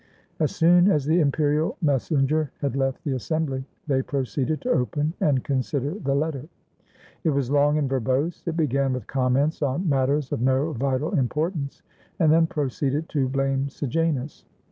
As soon as the imperial messenger had left the assem bly they proceeded to open and consider the letter. It was long and verbose. It began with comments on mat ters of no vital importance, and then proceeded to blame Sejanus.